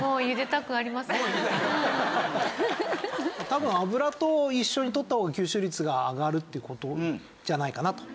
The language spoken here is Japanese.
多分油と一緒にとった方が吸収率が上がるっていう事じゃないかなと。